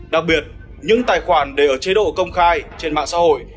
đặc biệt những tài khoản để ở chế độ công khai trên mạng xã hội